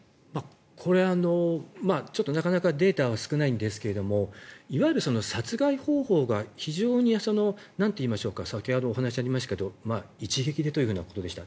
これはなかなかデータが少ないんですけれどいわゆる殺害方法が非常にさっきお話ありましたが一撃でということでした。